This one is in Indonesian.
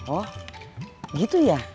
oh gitu ya